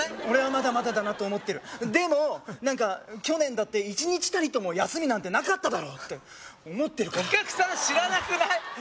俺はまだまだだなと思ってるでも何か去年だって１日たりとも休みなんてなかっただろって思ってるからお客さん知らなくない？